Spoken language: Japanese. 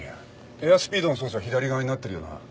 エアスピードの操作左側になってるよな？